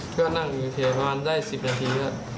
ก็นั่งอยู่ที่ไอฟ้านได้๑๐นาที